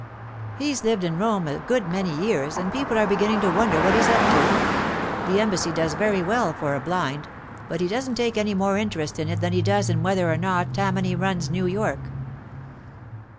'He's lived in Rome a good many years, and people are beginning to wonder what he's up to. The Embassy does very well for a blind, for he doesn't take any more interest in it than he does in whether or not Tammany runs New York.